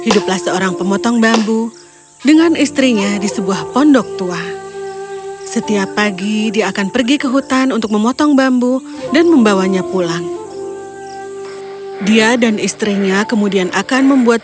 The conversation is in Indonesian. dongeng bahasa indonesia